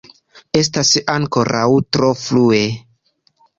Estas ankoraŭ tro frue.